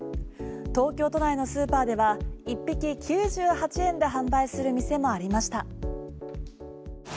東京都内のスーパーでは１匹９８円で販売する店もありました。